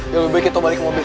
lebih baik kita balik ke mobil